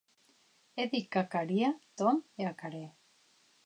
È dit qu'ac haria, Tom, e ac harè.